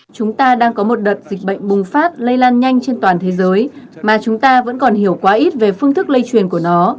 chúng ta đang có một đợt dịch bệnh bùng phát lây lan nhanh trên toàn thế giới mà chúng ta vẫn còn hiểu quá ít về phương thức lây truyền của nó